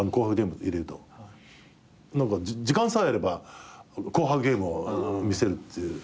何か時間さえあれば紅白ゲームを見せるっていう。